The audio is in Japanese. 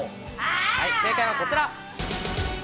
正解はこちら。